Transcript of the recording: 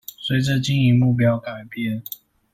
隨著經營目標改變